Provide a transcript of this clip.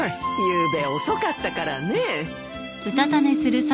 ゆうべ遅かったからねえ。